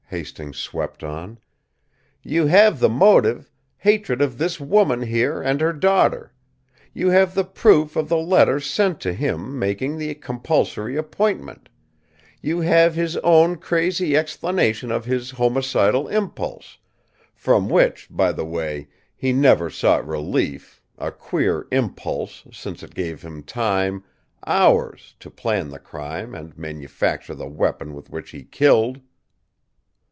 Hastings swept on. "You have the motive, hatred of this woman here and her daughter you have the proof of the letter sent to him making the compulsory appointment you have his own crazy explanation of his homicidal impulse, from which, by the way, he never sought relief, a queer 'impulse' since it gave him time, hours, to plan the crime and manufacture the weapon with which he killed!"